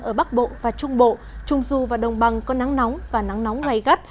ở bắc bộ và trung bộ trung du và đồng bằng có nắng nóng và nắng nóng gai gắt